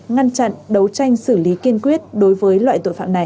ngăn chặn đấu tranh xử lý kiên quyết đối với loại tội phạm này